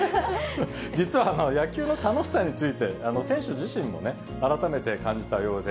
実は野球の楽しさについて、選手自身もね、改めて感じたようで。